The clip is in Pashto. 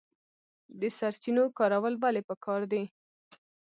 د سرچینو کارول ولې پکار دي؟